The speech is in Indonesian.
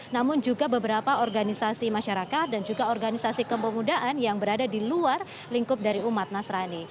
namun juga beberapa organisasi masyarakat dan juga organisasi kepemudaan yang berada di luar lingkup dari umat nasrani